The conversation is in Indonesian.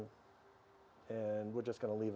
dan pengertian itu tidak berarti